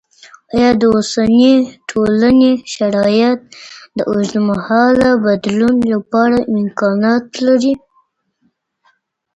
آیا د اوسني ټولني شرایط د اوږدمهاله بدلون لپاره امکانات لري؟